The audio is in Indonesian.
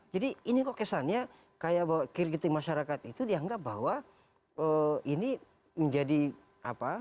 jadi ini kok kesannya kayak bahwa kiri kiri masyarakat itu dianggap bahwa ini menjadi apa